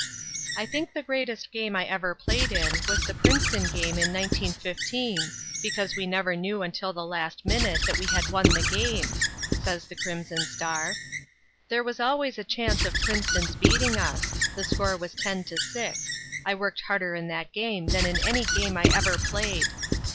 "I think the greatest game I ever played in was the Princeton game in 1915, because we never knew until the last minute that we had won the game," says the Crimson star. "There was always a chance of Princeton's beating us. The score was 10 to 6. I worked harder in that game than in any game I ever played.